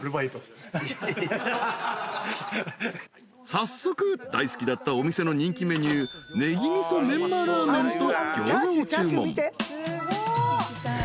［早速大好きだったお店の人気メニューネギ味噌メンマラーメンとギョーザを注文］